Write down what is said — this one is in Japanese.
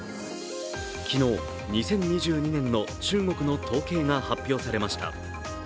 昨日、２０２２年の中国の統計が発表されました。